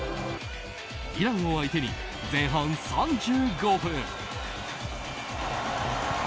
イランを相手に前半３５分。